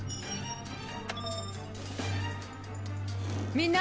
みんな！